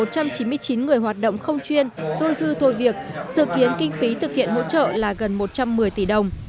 các đơn vị hoạt động không chuyên dôi dư thôi việc dự kiến kinh phí thực hiện hỗ trợ là gần một trăm một mươi tỷ đồng